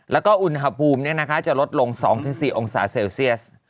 แล้วก็อุณหภูมิจะลดลง๒๔องศาเซลเซียส